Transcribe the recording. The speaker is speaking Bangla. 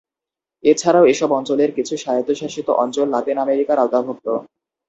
এছাড়াও এসব অঞ্চলের কিছু স্বায়ত্তশাসিত অঞ্চল লাতিন আমেরিকার আওতাভুক্ত।